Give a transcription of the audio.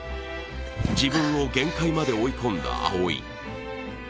自分を限界まで追い込んだ蒼生。